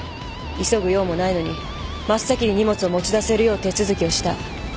急ぐ用もないのに真っ先に荷物を持ち出せるよう手続きをした。